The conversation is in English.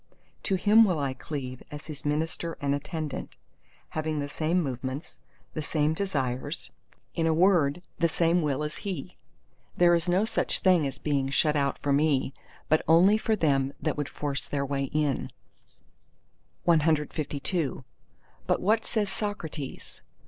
To Him will I cleave as His minister and attendant; having the same movements, the same desires, in a word the same Will as He. There is no such thing as being shut out for me, but only for them that would force their way in. CLIII But what says Socrates?